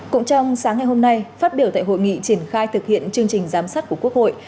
cũng trong sáng ngày hôm nay phát biểu tại hội nghị triển khai thực hiện chương trình giám sát của quốc hội